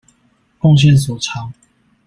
貢獻所長